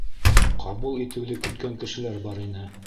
Ҡабул итеүҙе көткән кешеләр бар ине.